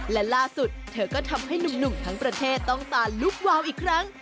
และล่าสุดเธอก็ทำให้หนุ่มทั้งประเทศต้องตาลุกวาวอีกครั้ง